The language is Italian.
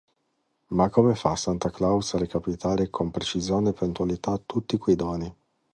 Ma come fa Santa Claus a recapitare con precisione e puntualità tutti quei doni?